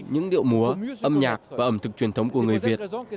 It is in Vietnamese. những điệu múa âm nhạc và ẩm thực truyền thống của người việt